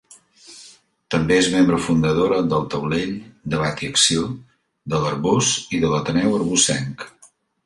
També és membre fundadora d'El Taulell, Debat i Acció, de l'Arboç, i de l'Ateneu Arbocenc.